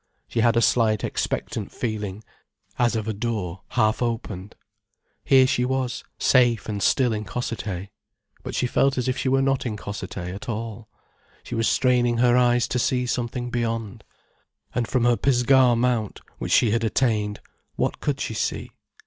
She had a slight expectant feeling, as of a door half opened. Here she was, safe and still in Cossethay. But she felt as if she were not in Cossethay at all. She was straining her eyes to something beyond. And from her Pisgah mount, which she had attained, what could she see?